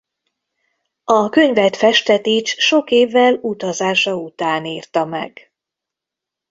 A könyvet Festetics sok évvel utazása után írta meg.